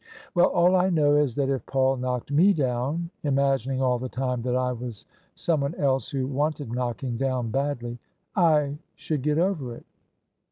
"Well, all I know is that if Paul knocked me down, imagining all the time that I was someone else who wanted knocking down badly, I should get over it."